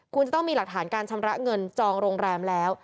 คุณจะต้องมีหลักฐานการชำระเงินจองโรงแรมแล้ว